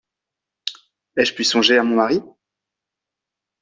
Ai-je pu songer à mon mari ?